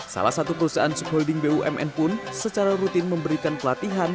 salah satu perusahaan subholding bumn pun secara rutin memberikan pelatihan